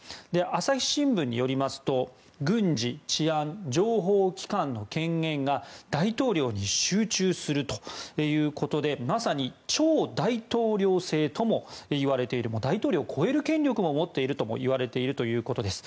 朝日新聞によりますと軍事、治安、情報機関の権限が大統領に集中するということでまさに超大統領制ともいわれている大統領を超える権力も持っているともいわれているということです。